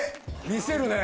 見せるね。